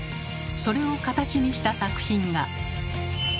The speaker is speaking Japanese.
それを形にした作品が。